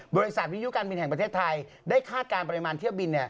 วิยุการบินแห่งประเทศไทยได้คาดการณ์ปริมาณเที่ยวบิน